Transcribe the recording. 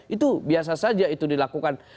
itu biasa saja itu dilakukan